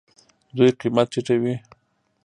دوی قیمت ټیټوي.